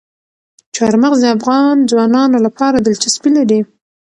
چار مغز د افغان ځوانانو لپاره دلچسپي لري.